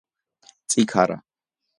წიქარა